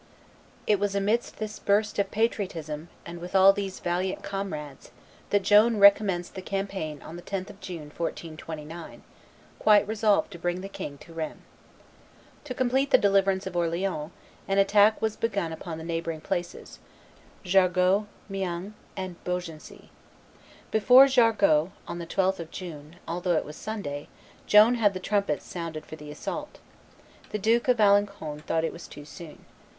It was amidst this burst of patriotism, and with all these valiant comrades, that Joan recommenced the campaign on the 10th of June, 1429, quite resolved to bring the king to Rheims. To complete the deliverance of Orleans, an attack was begun upon the neighboring places, Jargeau, Meung, and Beaugency. Before Jargeau, on the 12th of June, although it was Sunday, Joan had the trumpets sounded for the assault. The Duke d'Alencon thought it was too soon.